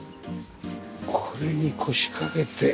これに腰掛けて。